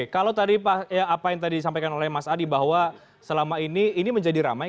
kalau tadi apa yang tadi disampaikan oleh mas adi bahwa selama ini ini menjadi ramai